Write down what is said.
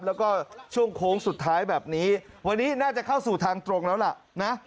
แล้วก็ช่วงโค้งสุดท้ายแบบนี้วันนี้น่าจะเข้าสู่ทางตรงแล้วล่ะนะ